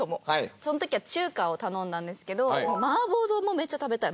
その時は中華を頼んだんですけど麻婆丼もメッチャ食べたい。